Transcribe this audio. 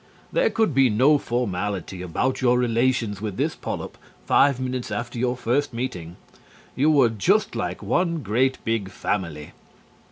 There could be no formality about your relations with this polyp five minutes after your first meeting. You were just like one great big family.